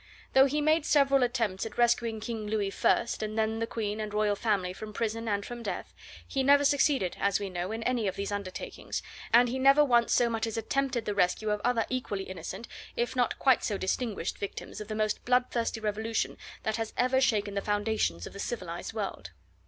Though he made several attempts at rescuing King Louis first, and then the Queen and Royal Family from prison and from death, he never succeeded, as we know, in any of these undertakings, and he never once so much as attempted the rescue of other equally innocent, if not quite so distinguished, victims of the most bloodthirsty revolution that has ever shaken the foundations of the civilised world.